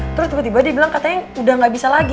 terus tiba tiba dia bilang katanya udah gak bisa lagi